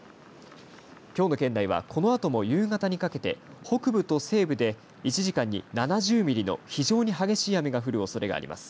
今日の県内はこのあとも夕方にかけて北部と西部で１時間に７０ミリの非常に激しい雨が降るおそれがあります。